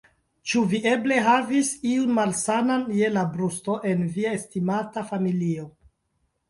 Ĉu vi eble havas iun malsanan je la brusto en via estimata familio?